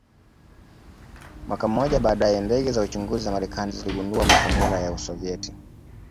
Mwaka mmoja baadae ndege za uchunguzi za Marekani ziligundua makombora ya Usovieti